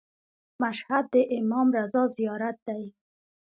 مشهد د امام رضا زیارت دی.